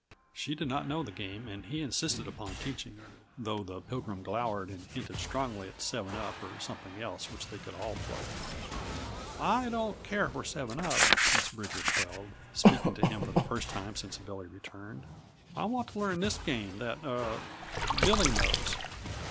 She did not know the game and he insisted upon teaching her, though the Pilgrim glowered and hinted strongly at seven up or something else which they could all play. "I don't care for seven up," Miss Bridger quelled, speaking to him for the first time since Billy returned. "I want to learn this game that er Billy knows."